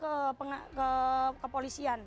karena apa kadang kita meminta ke politik